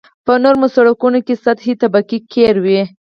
په نرمو سرکونو کې سطحي طبقه قیر وي